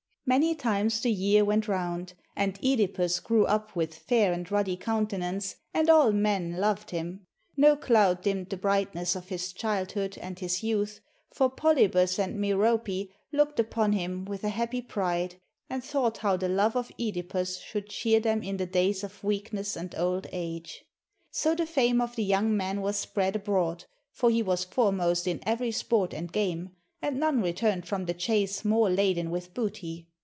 Many times the year went round, and (Edipus grew up with fair and ruddy countenance, and all men loved him. No cloud dimmed the brightness of his childhood and his youth, for Polybus and Merope looked upon him with a happy THE STORY OF (EDIPUS pride, and thought how the love of (Edipus should cheer them in the days of weakness and old age. So the fame of the young man was spread abroad, for he was fore most in every sport and game, and none returned from the chase more laden with booty.